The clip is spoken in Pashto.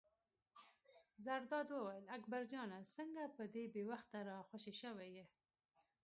زرداد وویل: اکبر جانه څنګه په دې بې وخته را خوشې شوی یې.